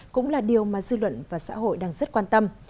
cũng là điều mà dư luận và xã hội đang rất quan tâm